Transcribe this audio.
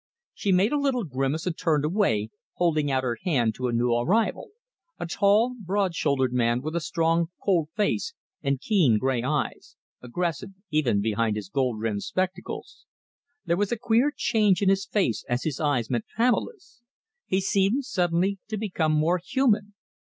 She made a little grimace and turned away, holding out her hand to a new arrival a tall, broad shouldered man, with a strong, cold face and keen, grey eyes, aggressive even behind his gold rimmed spectacles. There was a queer change in his face as his eyes met Pamela's. He seemed suddenly to become more human.